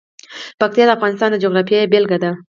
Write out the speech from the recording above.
پکتیا د افغانستان د جغرافیې بېلګه ده.